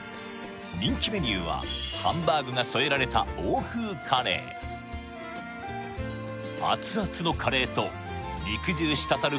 人気メニューはハンバーグが添えられた欧風カレー熱々のカレーと肉汁したたる